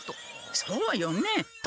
そうよね。